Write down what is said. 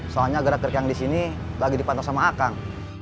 soalnya gerak gerik yang di sini lagi dipantau sama akang